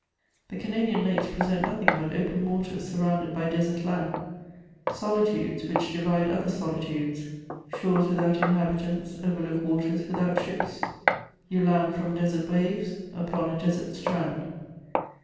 The Canadian lakes present nothing but open waters surrounded by desert land : soU« tudes which divide other solitudes — shores without inhabitants overlook waters without ships ;— ^you land £rom desert waves upon a desert strand.